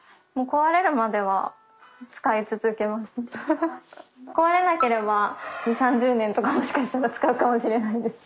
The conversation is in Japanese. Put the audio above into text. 壊れなければ２０３０年とかもしかしたら使うかもしれないです。